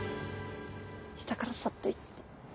下からそっと行って。